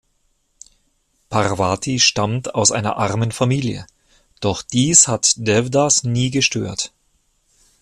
Parvati stammt aus einer armen Familie, doch dies hat Devdas nie gestört.